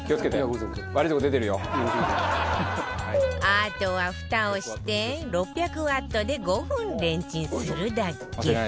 あとはフタをして６００ワットで５分レンチンするだけ